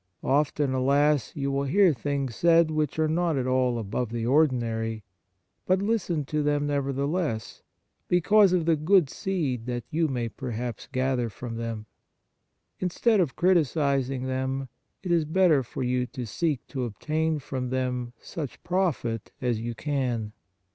Often, alas, you will hear things said which are not at all above the ordinary ; but listen to them nevertheless, because of the good seed that you may perhaps gather from them ; instead of criticizing them, it is better for you to seek to obtain from them such profit as you can.